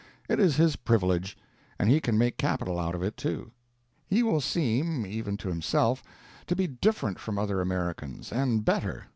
It is his privilege; and he can make capital out of it, too; he will seem, even to himself, to be different from other Americans, and better.